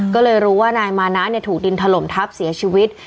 ก็เลยรู้ว่านายมานะถูกดินถล่มทับเสียชีวิต